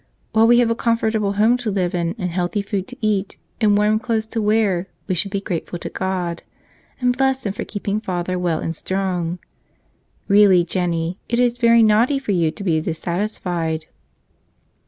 While we have a comfortable home to live in and healthy food to eat, and warm clothes to wear we should be grateful to God — and bless Him for keeping father well and strong. Really, Jennie, it is very naughty for you to be dissatisfied."